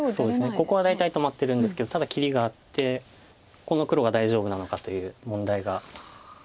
ここは大体止まってるんですけどただ切りがあってここの黒が大丈夫なのかという問題が。